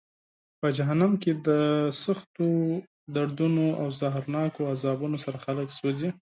په جهنم کې د سختو دردونو او زهرناکو عذابونو سره خلک سوزي.